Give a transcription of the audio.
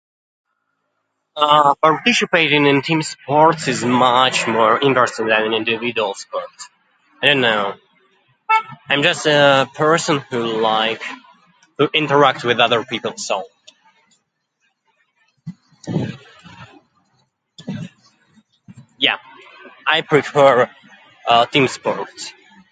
Uh, participating in team sports is much more interesting than individual sports. You know, I'm just a person who like, who interact with other people so, yeah, I prefer, uh, team sports.